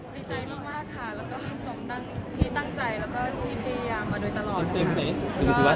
ดีใจมากค่ะและก็ทรงทันทีตั้งใจและที่เจยามาโดยตลอดค่ะ